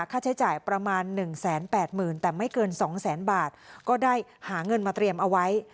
ค่าใช้จ่ายประมาณ๑๘๐๐๐แต่ไม่เกิน๒แสนบาทก็ได้หาเงินมาเตรียมเอาไว้